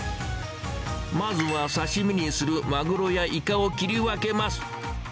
まずは刺身にするマグロやイカを切り分けます。